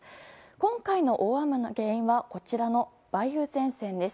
今回の大雨の原因はこちらの梅雨前線です。